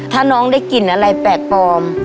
ถ้าน้องได้กลิ่นอะไรแปลกปลอม